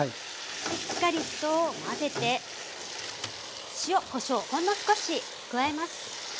しっかりと混ぜて塩・こしょうほんの少し加えます。